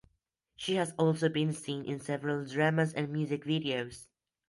She has also been seen in several dramas and music videos.